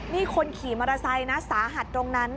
นี่คนขี่มอเตอร์ไซค์นะสาหัสตรงนั้น